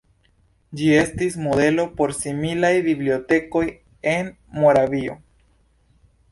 Ĝi estis modelo por similaj bibliotekoj en Moravio.